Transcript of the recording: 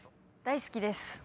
大好きです。